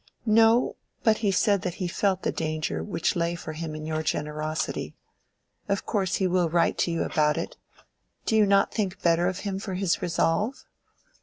"No. But he said that he felt the danger which lay for him in your generosity. Of course he will write to you about it. Do you not think better of him for his resolve?"